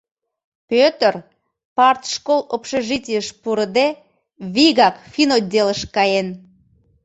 Пӧтыр, партшкол общежитийыш пурыде, вигак финотделыш каен.